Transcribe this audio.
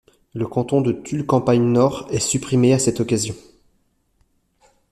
Le canton de Tulle-Campagne-Nord est supprimé à cette occasion.